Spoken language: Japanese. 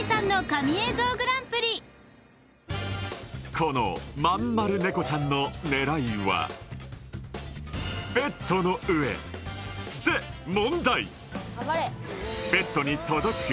このまんまる猫ちゃんの狙いはベッドの上で問題ベッドに届く？